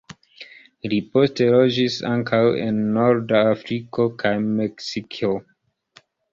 Li poste loĝis ankaŭ en norda Afriko kaj en Meksiko.